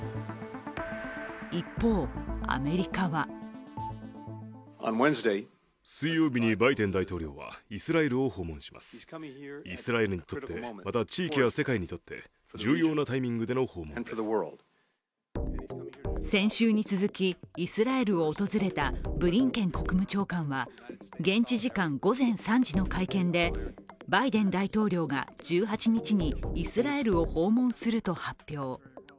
一方、アメリカは先週に続きイスラエルを訪れたブリンケン国務長官は現地時間午前３時の会見で、バイデン大統領が１８日にイスラエルを訪問すると発表。